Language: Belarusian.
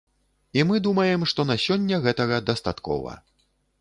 І мы думаем, што на сёння гэтага дастаткова.